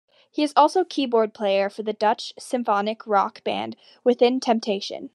He is also keyboard player for the Dutch symphonic rock band Within Temptation.